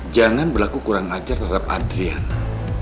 jangan berlaku kurang ajar terhadap adriana